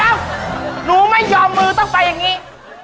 เอามือต้องไปอย่างนี้